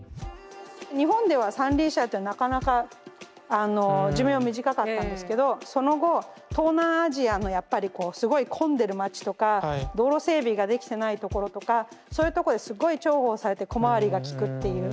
日本では三輪車ってなかなか寿命短かったんですけどその後東南アジアのやっぱりこうすごい混んでる街とか道路整備ができてないところとかそういうとこですごい重宝されて小回りが利くっていう。